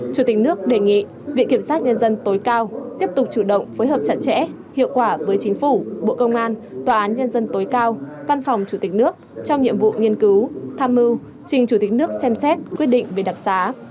chủ tịch nước đề nghị viện kiểm sát nhân dân tối cao tiếp tục chủ động phối hợp chặt chẽ hiệu quả với chính phủ bộ công an tòa án nhân dân tối cao văn phòng chủ tịch nước trong nhiệm vụ nghiên cứu tham mưu trình chủ tịch nước xem xét quyết định về đặc xá